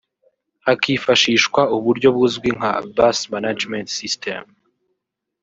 hakifashishwa uburyo buzwi nka ‘Bus Management System’